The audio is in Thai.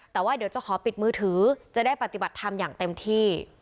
แต่ว่าเดี๋ยวจะขอปิดมือถือจะได้ปฏิบัติธรรมอย่างเต็มที่